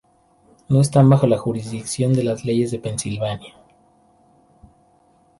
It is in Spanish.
No están bajo la jurisdicción de las leyes de Pensilvania.